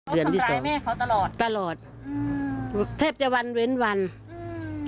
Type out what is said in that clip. เขาทำร้ายแม่เขาตลอดตลอดอืมแทบจะวันเว้นวันอืม